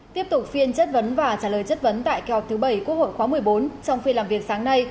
tiếp tục phiên chất vấn và trả lời chất vấn tại kỳ họp thứ bảy quốc hội khóa một mươi bốn trong phiên làm việc sáng nay